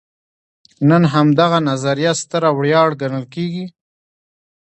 نن همدغه نظریه ستره ویاړ ګڼل کېږي.